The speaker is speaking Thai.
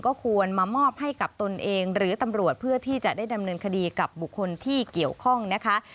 ก็ควรมามอบให้กับตนเองหรือตำรวจเพื่อที่จะได้ดำเนินคดีกับบุคคลที่เกี่ยวข้องนะคะ